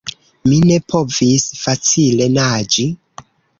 Mi ne povis facile naĝi.